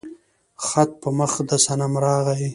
خط په مخ د صنم راغى